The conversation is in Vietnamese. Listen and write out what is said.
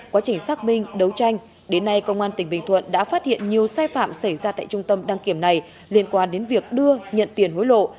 quá trình xác minh đấu tranh đến nay công an tỉnh bình thuận đã phát hiện nhiều sai phạm xảy ra tại trung tâm đăng kiểm này liên quan đến việc đưa nhận tiền hối lộ